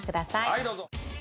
はいどうぞ。